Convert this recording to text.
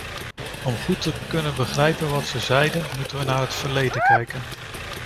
Om goed te kunnen begrijpen wat ze zeiden, moeten we naar het verleden kijken.